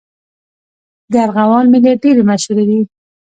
د ارغوان میلې ډېرې مشهورې دي.